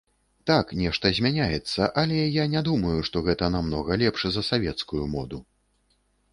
Так, нешта змяняецца, але я не думаю, што гэта намнога лепш за савецкую моду.